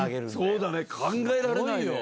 そうだね、考えられないよ。